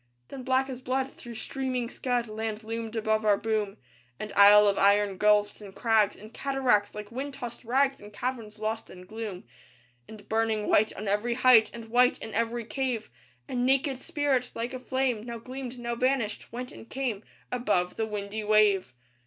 Then black as blood through streaming scud Land loomed above our boom, An isle of iron gulfs and crags And cataracts, like wind tossed rags, And caverns lost in gloom. And burning white on every height, And white in every cave, A naked spirit, like a flame, Now gleamed, now vanished; went and came Above the windy wave.